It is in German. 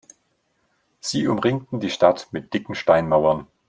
Sie umringten die Stadt mit dicken Steinmauern.